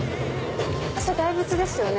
長谷大仏ですよね。